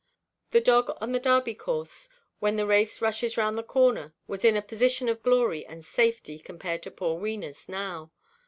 The dog on the Derby course, when the race rushes round the corner, was in a position of glory and safety compared to poor Wenaʼs now.